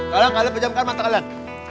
kalian kalian pejamkan mata kalian